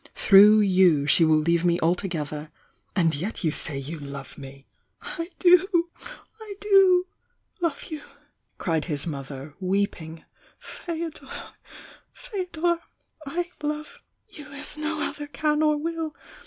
Through you she will leave me altogether — and yet you say you love me!" "I do! I do love you!" cried his mother, weep ing. "Feodor, F^odor, 1 love you as no other can or wUl!